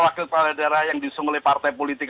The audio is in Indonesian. wakil kepala daerah yang diusung oleh partai politik